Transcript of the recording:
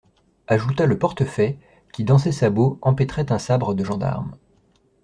Ajouta le portefaix qui, dans ses sabots, empêtrait un sabre de gendarme.